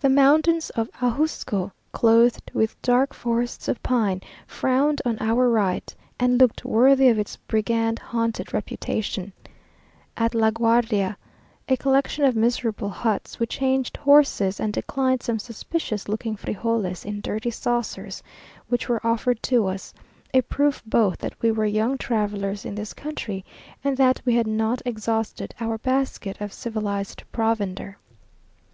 The mountain of Ajusco, clothed with dark forests of pine, frowned on our right, and looked worthy of its brigand haunted reputation. At La Guarda, a collection of miserable huts, we changed horses, and declined some suspicious looking frijoles in dirty saucers, which were offered to us; a proof both that we were young travellers in this country, and that we had not exhausted our basket of civilized provender.